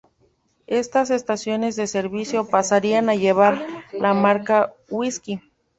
Estas estaciones de servicio pasarían a llevar la marca Husky.